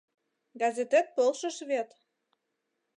— Газетет полшыш вет.